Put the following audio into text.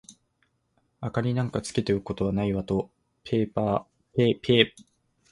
「明りなんかつけておくことはないわ」と、ペーピーはいって、光をふたたび消した。